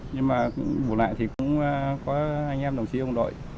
nhưng mà bộ lại thì cũng có anh em đồng sĩ ông đội